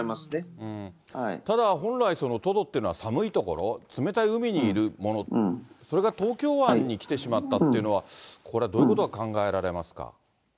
ただ、本来トドっていうのは寒い所、冷たい海にいるもの、それが東京湾に来てしまったというのは、これはどういうことが考えられますか。